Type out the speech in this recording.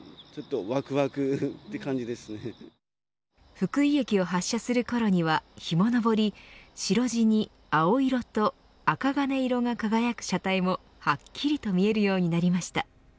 福井駅を発車するころには日も昇り白地に青色とあかがね色が輝く車体もはっきりと見えるようになりました。